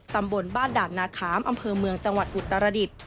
ตำบลบ้านด่านนาขามอำเภอเมืองจังหวัดอุตรดิษฐ์